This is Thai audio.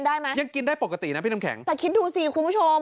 ยังกินได้ปกตินะพี่น้ำแข็งแต่คิดดูสิคุณผู้ชม